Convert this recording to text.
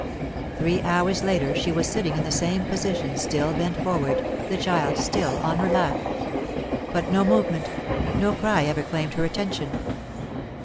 Three hours later she was sitting in the same position, still bent forward, the child still on her lap. But no movement, no cry ever claimed her attention.